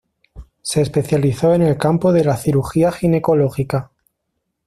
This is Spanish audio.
Se especializó en el campo de la cirugía ginecológica.